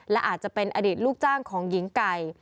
และอาจจะเป็นอดีตลูกจ้างของหญิงไก่